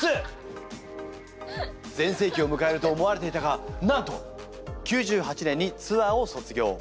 全盛期をむかえると思われていたがなんと９８年にツアーを卒業。